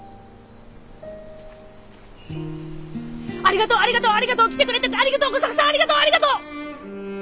ありがとうありがとうありがとう来てくれてありがとう吾作さんありがとうありがとう。